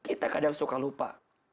kita kadang suka lupa